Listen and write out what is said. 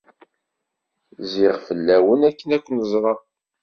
Zziɣ fell-awen akken ad ken-ẓreɣ.